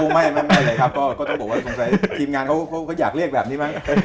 ไม่เลยครับก็ต้องบอกว่าสงสัยทีมงานเขาอยากเรียกแบบนี้มั้ง